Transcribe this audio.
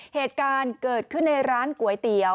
เหตุการณ์เกิดขึ้นในร้านก๋วยเตี๋ยว